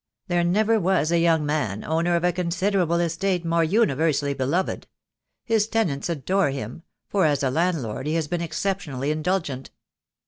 "There never was a young man, owner of a con siderable estate, more universally beloved. His tenants adore him — for as a landlord he has been exceptionally indulgent."